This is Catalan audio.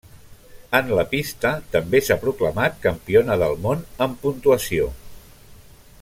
En la pista també s'ha proclamat Campiona del món en Puntuació.